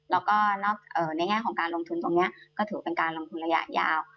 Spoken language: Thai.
แล้วก็ในแง่ของการลงทุนตรงนี้ก็ถือเป็นการลงทุนระยะยาว